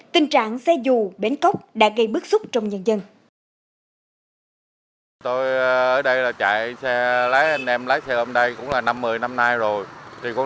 tình trạng xe dù bến cóc đã gây bức xúc trong nhân dân